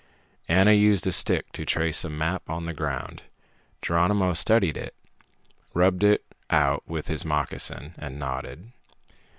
Ana used a stick to trace a map on the ground. Geronimo studied it, rubbed it out with his moccasin, and nodded.